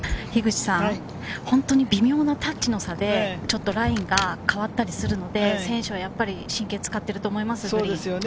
本当に微妙なタッチの差でちょっとラインが変わったりするので、選手はやっぱり神経を使っていると思います。